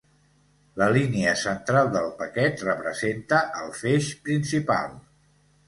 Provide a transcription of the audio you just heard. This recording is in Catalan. La línia central del paquet representa el feix principal.